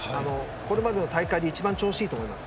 これまでの大会で一番調子がいいと思います。